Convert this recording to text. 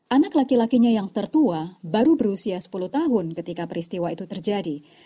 anak laki lakinya yang tertua baru berusia sepuluh tahun ketika peristiwa itu terjadi